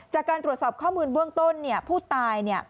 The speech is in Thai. จากการตรวจสอบข้อมูลเบื้องต้นผู้ตาย